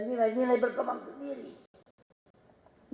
nilai nilai berkembang sendiri